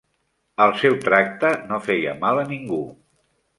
El seu tracte no feia mal a ningú.